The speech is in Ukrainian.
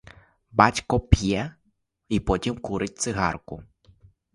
Батько п'є і потім курить цигарку.